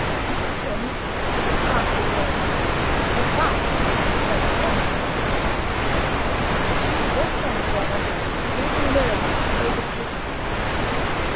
Miss Plym with the parsley still on her mind advanced to consult Emil y's experience. The two walked on together, leaving Mirabel to overtake Francine.